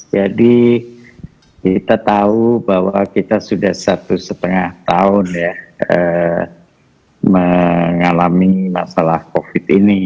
jadi kita tahu bahwa kita sudah satu setengah tahun ya mengalami masalah covid sembilan belas ini